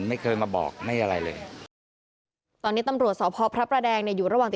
ไม่เคยมาบอกไม่อะไรเลยตอนนี้ตำรวจสพพระประแดงเนี่ยอยู่ระหว่าง